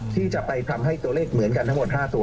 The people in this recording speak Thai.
ที่จะไปพร้ำให้ตัวเล็กเหมือนกันทั้งหมด๕ตัวนะครับ